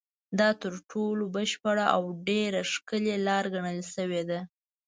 دا تر ټولو بشپړه او ډېره ښکلې لاره ګڼل شوې ده.